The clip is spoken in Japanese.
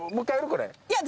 これ。